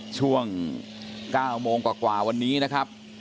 ช่วง๙โมงกว่าวันนี้นะครับ